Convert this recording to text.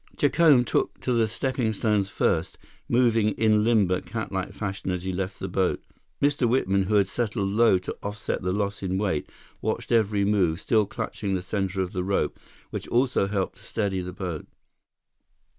Jacome took to the steppingstones first, moving in limber, catlike fashion as he left the boat. Mr. Whitman, who had settled low to offset the loss in weight, watched every move, still clutching the center of the rope, which also helped to steady the boat.